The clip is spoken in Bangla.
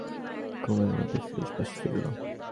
ঘুমের মধ্যেই ফিরোজ পাশ ফিরল।